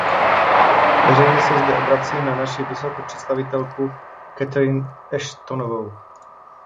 Veřejně se zde obracím na naši vysokou představitelku Catherine Ashtonovou.